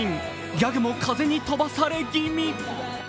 ギャグも風に飛ばされ気味。